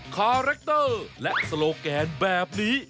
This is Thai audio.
คาแรคเตอร์และโซโลแกนแบบนี้